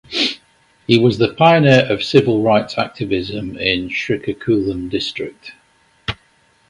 He was the pioneer of Civil Rights Activism in Srikakulam District.